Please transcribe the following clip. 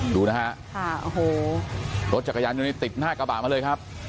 ดูนะฮะค่ะโอ้โหรถจักรยานยนต์นี้ติดหน้ากระบะมาเลยครับ